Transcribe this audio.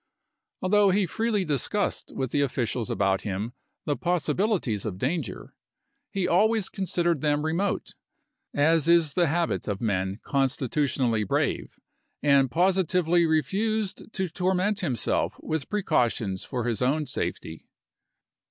Although he freely discussed with the officials about him the possibilities of danger, he always considered them remote, as is the habit of men con stitutionally brave, and positively refused to tor ment himself with precautions for his own safety.